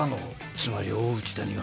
つまり大内田には。